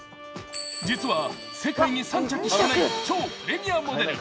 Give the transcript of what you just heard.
実は世界に３着しかない超プレミアモデル。